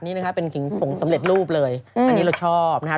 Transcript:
นี่นะครับเป็นกิ่งผงสำเร็จรูปเลยอันนี้เราชอบนะครับ